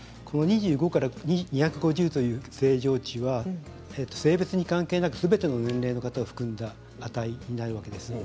２５から２５０という正常値は性別に関係なくすべての年齢の方を含んだ値になるわけです。